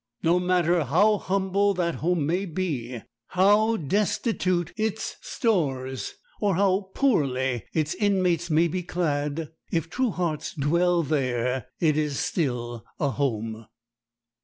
No matter how humble that home may be, how destitute its stores, or how poorly its inmates may be clad, if true hearts dwell there, it is still a home.